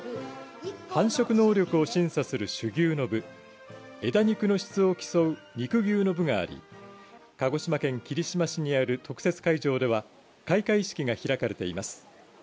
繁殖能力を審査する種牛の部枝肉の質を競う肉牛の部があり鹿児島県霧島市にある特設会場では開会式が開かれています。